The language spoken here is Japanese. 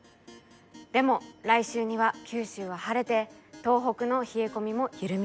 でも来週には九州は晴れて東北の冷え込みも緩みそうです。